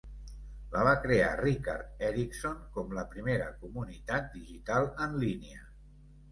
La va crear Rickard Eriksson com la primera comunitat digital en línia.